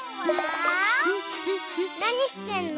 なにしてんの？